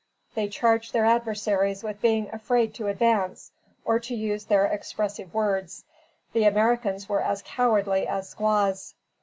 They charged their adversaries with being afraid to advance, or to use their expressive words, the Americans were as cowardly as squaws.